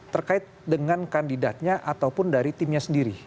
terkait dengan kandidatnya ataupun dari timnya sendiri